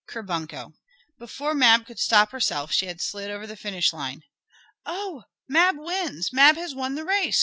"Ker bunk o!" Before Mab could stop herself she had slid over the finish line. "Oh, Mab wins! Mab has won the race!"